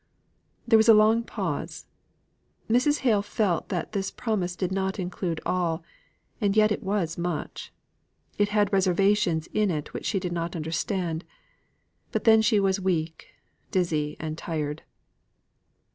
There was a long pause. Mrs. Hale felt that this promise did not include all; and yet it was much. It had reservations in it which she did not understand: but then she was weak, dizzy, and tired.